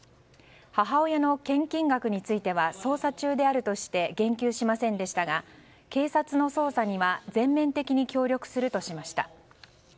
母親の献金額については捜査中であるとして言及しませんでしたが警察の捜査には全面的に協力するとしました。